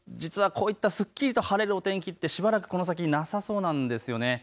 すっきりと晴れる天気はしばらくこの先なさそうなんです。